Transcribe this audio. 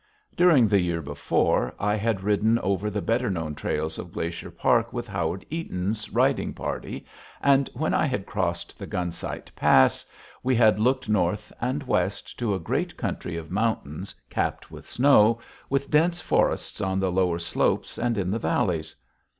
During the year before, I had ridden over the better known trails of Glacier Park with Howard Eaton's riding party, and when I had crossed the Gunsight Pass, we had looked north and west to a great country of mountains capped with snow, with dense forests on the lower slopes and in the valleys.